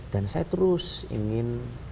dan saya terus ingin